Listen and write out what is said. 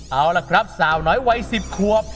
เอาล่ะครับสาวน้อยวัย๑๐ขวบ